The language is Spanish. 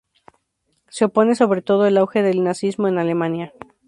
Se opone sobre todo al auge del nazismo en Alemania.